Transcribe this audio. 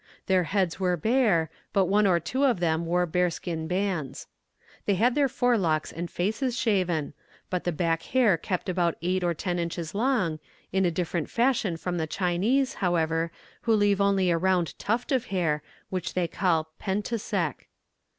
Their heads were bare, but one or two of them wore bearskin bands. They had their forelocks and faces shaven, but the back hair kept about eight or ten inches long, in a different fashion from the Chinese, however, who leave only a round tuft of hair, which they call 'pen t sec.'